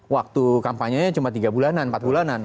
waktu kampanye cuma tiga bulanan empat bulanan